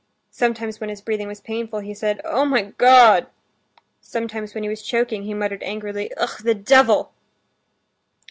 Sometimes when his breathing was painful, he said, "Oh, my God!" Sometimes when he was choking he muttered angrily, "Ah, the devil!"